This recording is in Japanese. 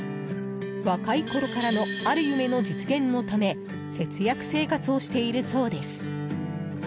若いころからのある夢の実現のため節約生活をしているそうです。